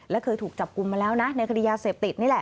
และเคยถูกจับกลุ่มมาแล้วนะในคดียาเสพติดนี่แหละ